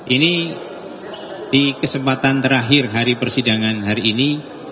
ini di kesempatan terakhir hari persidangan hari ini